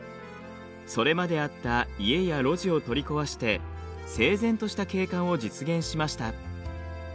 それまであった家や路地を取り壊して整然とした景観を実現しました。